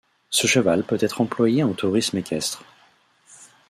Ce cheval peut être employé en tourisme équestre.